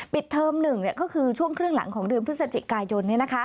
ปิดเทอมหนึ่งก็คือช่วงเครื่องหลังของเดือนพฤศจิกายน